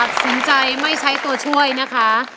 ตัดสินใจไม่ใช้ตัวช่วยนะคะ